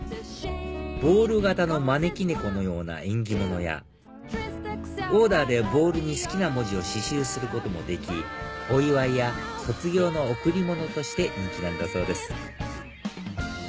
ボール形の招き猫のような縁起物やオーダーでボールに好きな文字を刺しゅうすることもできお祝いや卒業の贈り物として人気なんだそうです